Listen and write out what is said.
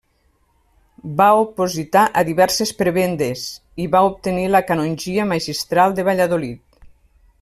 Va opositar a diverses prebendes i va obtenir la canongia magistral de Valladolid.